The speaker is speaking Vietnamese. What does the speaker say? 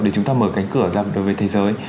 để chúng ta mở cánh cửa ra đối với thế giới